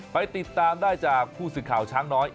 ไปติดตามได้จากผู้สื่อข่าวช้างน้อย